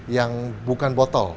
yang bukan botol